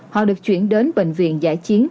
họ được chuyển đến bệnh viện giải chiến